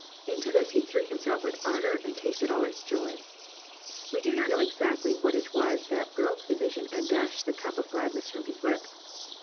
Into this he threw himself with ardour and tasted all its joy. We do not know exactly what it was that broke the vision and dashed the cup of gladness from his lips.